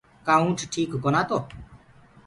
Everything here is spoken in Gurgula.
ڪآ اونٺ ٺيڪ ڪونآ تو